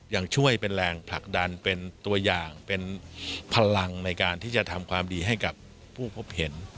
ยังช่วยเป็นแรงผลักดันเป็นตัวอย่างเป็นพลังในการที่จะทำความดีให้กับผู้พบเห็น